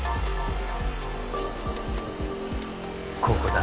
ここだ。